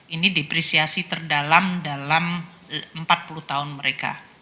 ini depresiasi terdalam dalam empat puluh tahun mereka